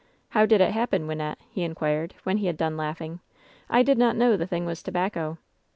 "How did it happen, Wynnette ?" he inquired, when he had done laughing. "I did not know the thing was tobacco."